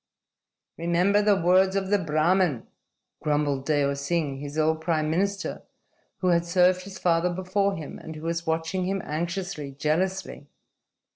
"Remember the words of the Brahmin," grumbled Deo Singh, his old prime minister who had served his father before him and who was watching him anxiously, jealously.